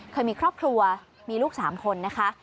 เคยมีครอบครัวมีลูก๓คนนะคะ